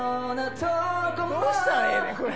どうしたらええねんこれ。